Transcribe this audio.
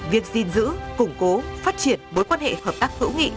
việc gìn giữ củng cố phát triển bối quan hệ hợp tác hữu nghị